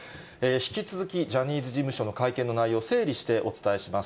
引き続き、ジャニーズ事務所の会見の内容、整理してお伝えします。